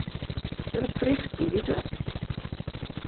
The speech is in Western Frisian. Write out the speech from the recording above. Sil ik Frysk kieze?